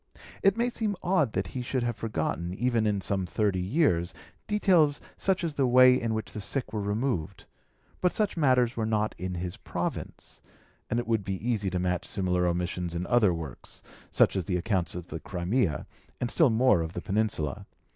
It may seem odd that he should have forgotten, even in some thirty years, details such as the way in which the sick were removed; but such matters were not in his province; and it would be easy to match similar omissions in other works, such as the accounts of the Crimea, and still more of the Peninsula.